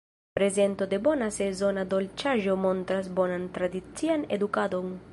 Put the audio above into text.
Prezento de bona sezona dolĉaĵo montras bonan tradician edukadon.